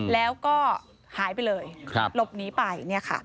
แล้วก็หายไปเลยหลบหนีไป